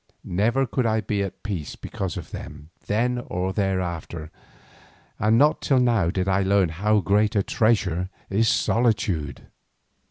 Never could I be at peace because of them then or thereafter, and not till now did I learn how great a treasure is solitude.